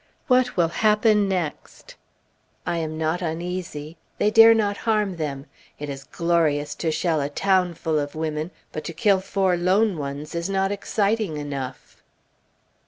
What will happen next? I am not uneasy. They dare not harm them. It is glorious to shell a town full of women, but to kill four lone ones is not exciting enough.